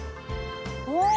お！